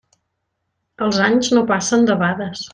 Els anys no passen debades.